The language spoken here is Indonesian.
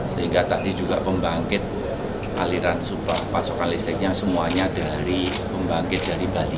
sehingga tadi juga pembangkit aliran pasokan listriknya semuanya dari pembangkit dari bali